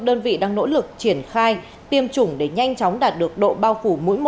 đơn vị đang nỗ lực triển khai tiêm chủng để nhanh chóng đạt được độ bao phủ mỗi một